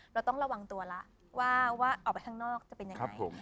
เราต้องระวังตัวแล้วว่าออกไปข้างนอกจะเป็นยังไง